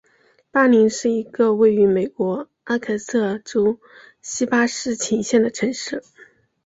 巴林是一个位于美国阿肯色州锡巴斯琴县的城市。